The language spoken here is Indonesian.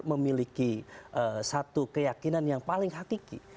memiliki satu keyakinan yang paling hakiki